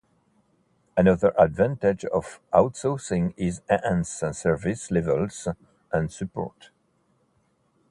Another advantage of outsourcing is enhanced service levels and support.